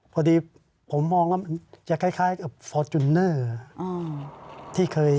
พอดีผมมองแล้วมันจะคล้ายกับฟอร์ทจูนเนอร์